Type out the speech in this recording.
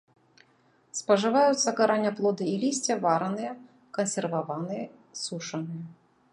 Спажываюцца караняплоды і лісце вараныя, кансерваваныя, сушаныя.